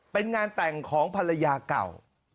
เป็นงานแต่งของภรรยาเก่า